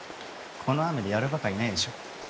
この雨でやるばかいないでしょ。